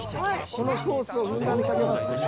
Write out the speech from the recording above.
このソースをふんだんにかけます。